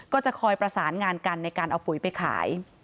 ก็จะคอยประสานงานกันในการเอาปุ๋ยไปขาย